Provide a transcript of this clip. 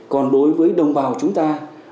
còn đối với đồng bào chúng ta